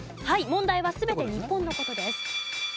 問題は全て日本の事です。